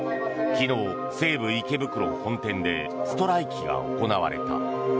昨日、西武池袋本店でストライキが行われた。